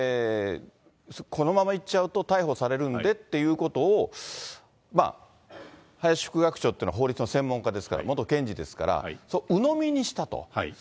このままいっちゃうと逮捕されるんでっていうことを、林副学長っていうのは法律の専門家ですから、元検事ですから、うのみにしたと。